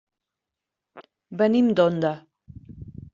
Venim d'Onda.